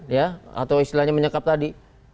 ya atau istilahnya menyekap tadi